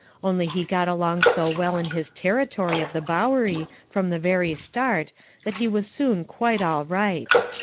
Only he got along so well in his "territory" of the Bowery from the very start that he was soon quite all right.